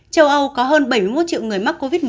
châu âu có hơn bảy mươi một triệu người mắc covid một mươi chín